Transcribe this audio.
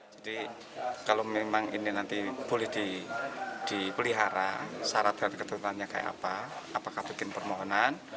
jadi kalau memang ini nanti boleh dipelihara syarat dan ketentuannya kayak apa apakah bikin permohonan